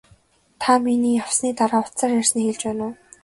Та миний явсны дараа утсаар ярьсныг хэлж байна уу?